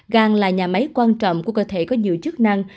gan là nhà máy quan trọng của cơ thể có nhiều chức năng